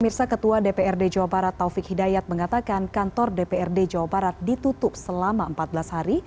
mirsa ketua dprd jawa barat taufik hidayat mengatakan kantor dprd jawa barat ditutup selama empat belas hari